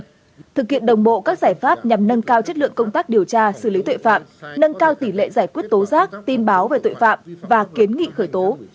thực hiện đồng bộ các giải pháp nhằm nâng cao chất lượng công tác điều tra xử lý tội phạm nâng cao tỷ lệ giải quyết tố giác tin báo về tội phạm và kiến nghị khởi tố